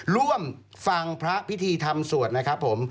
ร่วมฟังพระพิธีทำสวดนะครับผม